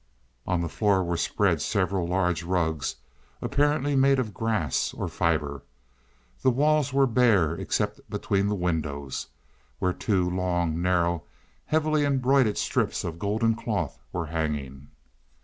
On the floor were spread several large rugs, apparently made of grass or fibre. The walls were bare, except between the windows, where two long, narrow, heavily embroidered strips of golden cloth were hanging.